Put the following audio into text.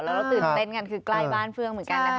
เราตื่นเต้นกันคือใกล้บ้านเฟืองเหมือนกันนะคะ